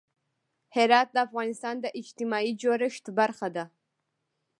هرات د افغانستان د اجتماعي جوړښت برخه ده.